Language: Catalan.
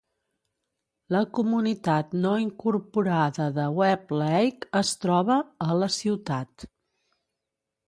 La comunitat no incorporada de Webb Lake es troba a la ciutat.